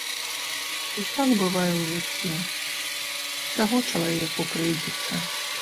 Усяк бывае ў жыцці, усяго чалавеку прыйдзецца.